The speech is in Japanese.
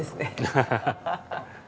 ハハハハ。